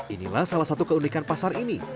inilah salah satu keunikan pasar ini